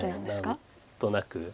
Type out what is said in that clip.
何となく。